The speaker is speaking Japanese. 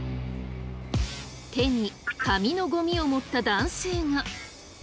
手に紙のゴミを持った男性が。